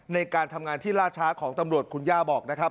ในการทำงานที่ล่าช้าของตำรวจคุณย่าบอกนะครับ